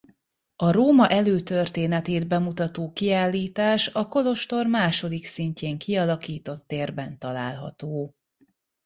A Róma előtörténetét bemutató kiállítás a kolostor második szintjén kialakított térben található.